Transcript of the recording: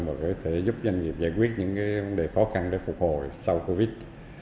và có thể giúp doanh nghiệp giải quyết những vấn đề khó khăn để phục hồi sau covid